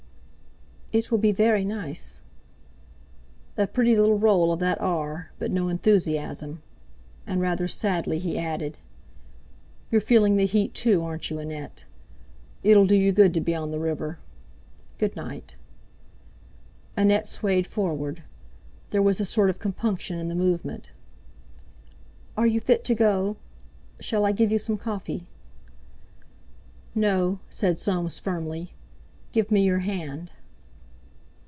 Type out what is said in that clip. "It will be veree nice." A pretty little roll of that "r" but no enthusiasm. And rather sadly he added: "You're feeling the heat, too, aren't you, Annette? It'll do you good to be on the river. Good night." Annette swayed forward. There was a sort of compunction in the movement. "Are you fit to go? Shall I give you some coffee?" "No," said Soames firmly. "Give me your hand."